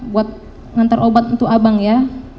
buat ngantar obat untuk abang ya